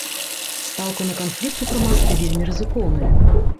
Стаўка на канфлікт у грамадстве вельмі рызыкоўная.